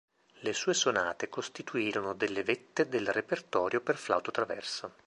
Le sue sonate costituirono delle vette del repertorio per flauto traverso.